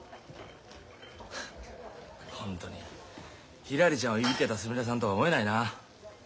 ホントにひらりちゃんをいびってたすみれさんとは思えないな。